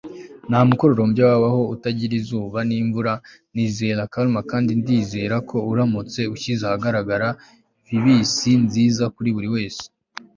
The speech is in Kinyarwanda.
nta mukororombya wabaho utagira izuba n'imvura. nizera karma, kandi ndizera ko uramutse ushyize ahagaragara vibisi nziza kuri buri wese